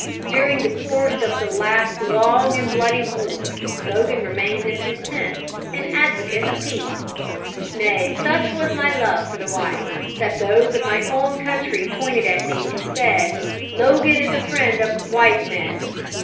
During the course of the last long and bloody war, Logan remained in his tent, an advocate of peace. Nay, such was my love for the whites, that those of my own country pointed at me and said, 'Logan is the friend of white men.'